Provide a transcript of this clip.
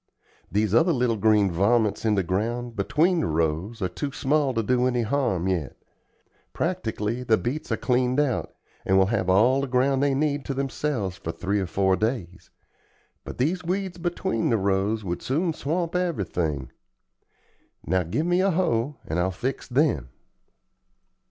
These other little green varmints in the ground, between the rows, are too small to do any harm yet. Practically the beets are cleaned out, and will have all the ground they need to themselves for three or four days; but these weeds between the rows would soon swamp everything. Now, give me a hoe, and I'll fix THEM."